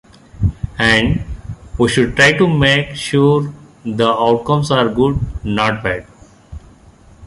And we should try to make sure the outcomes are good, not bad.